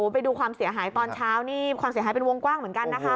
ไปดูความเสียหายตอนเช้านี่ความเสียหายเป็นวงกว้างเหมือนกันนะคะ